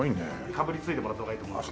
かぶりついてもらった方がいいと思います。